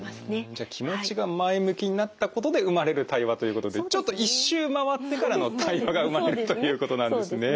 じゃあ気持ちが前向きになったことで生まれる対話ということでちょっと一周回ってからの対話が生まれるということなんですね。